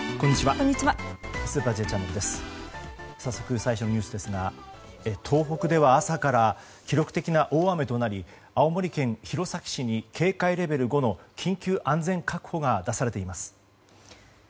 早速、最初のニュースですが東北では朝から記録的な大雨となり青森県弘前市に警戒レベル５の緊急安全確保が出されています。